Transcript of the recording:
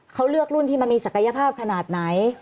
เขาเลือกรุ่นที่มันมีศักยภาพขนาดไหน